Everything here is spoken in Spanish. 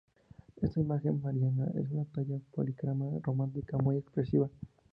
Esta imagen mariana es una talla policromada románica, muy expresiva.